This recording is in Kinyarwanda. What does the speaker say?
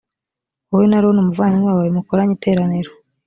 wowe na aroni umuvandimwe wawe mukoranye iteraniro